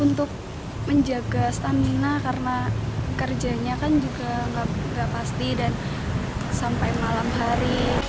untuk menjaga stamina karena kerjanya kan juga nggak pasti dan sampai malam hari